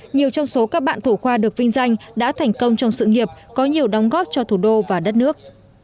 nhiều trong số các bạn thủ khoa được vinh danh đã thành công trong sự nghiệp có nhiều đóng góp cho thủ đô và đất nước